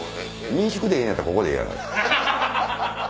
民宿でええんやったらここでええやろ。